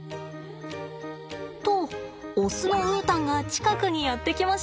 とオスのウータンが近くにやって来ました。